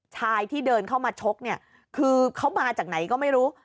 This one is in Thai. ชายที่เดินเข้ามาชกเนี่ยคือเขามาจากไหนก็ไม่รู้